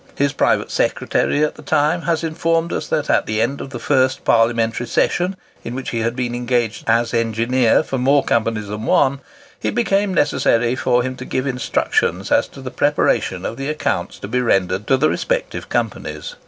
His private secretary at the time has informed us that at the end of the first Parliamentary session in which he had been engaged as engineer for more companies than one, it became necessary for him to give instructions as to the preparation of the accounts to be rendered to the respective companies.